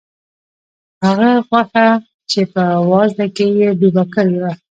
هغه غوښه چې په وازده کې یې ډوبه کړې وه.